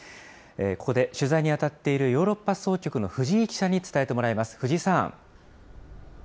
ここで取材に当たっているヨーロッパ総局の藤井記者に伝えてもらいます。